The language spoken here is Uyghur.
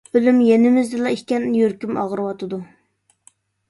ئۆلۈم يېنىمىزدىلا ئىكەن... يۈرىكىم ئاغرىۋاتىدۇ.